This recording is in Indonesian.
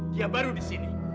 dia baru di sini